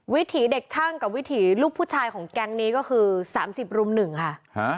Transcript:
วิถีเด็กช่างกับวิถีลูกผู้ชายของแกงนี้ก็คือสามสิบรุ่มหนึ่งค่ะฮะ